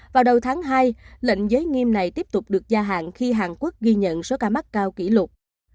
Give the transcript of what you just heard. vào đầu tháng hai lệnh giới nghiêm này tiếp tục được gia hạn khi hàn quốc ghi nhận số ca mắc cao kỷ lục